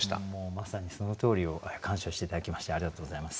まさにそのとおりを鑑賞して頂きましてありがとうございます。